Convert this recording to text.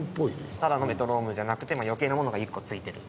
ただのメトロノームじゃなくて余計なものが１個付いてる。